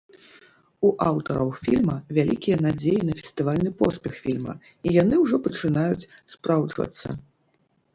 У аўтараў фільма вялікія надзеі на фестывальны поспех фільма, і яны ўжо пачынаюць спраўджвацца.